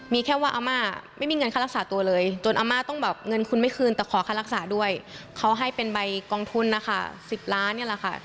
มีแค่ว่าอาม่าไม่มีเงินค่ารักษาตัวเลยจนอาม่าต้องแบบเงินคุณไม่คืนแต่ขอค่ารักษาด้วยเขาให้เป็นใบกองทุนนะคะ๑๐ล้านเนี่ยแหละค่ะ